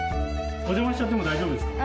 お邪魔しちゃっても大丈夫ですか？